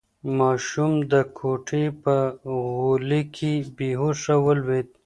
ماشوم د کوټې په غولي کې بې هوښه ولوېد.